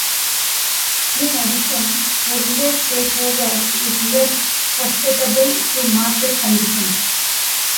In addition, a reverse takeover is less susceptible to market conditions.